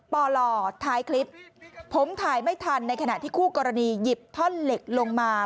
ปล่อท้ายคลิปผมถ่ายไม่ทันในขณะที่คู่กรณีหยิบท่อนเหล็กลงมา